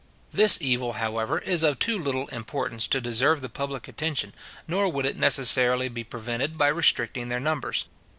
This evil, however, is of too little importance to deserve the public attention, nor would it necessarily be prevented by restricting their numbers.